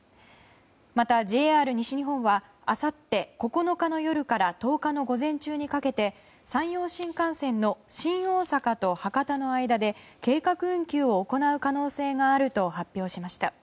また、ＪＲ西日本はあさって９日の夜から１０日の午前中にかけて山陽新幹線の新大阪と博多の間で計画運休を行う可能性があると発表しました。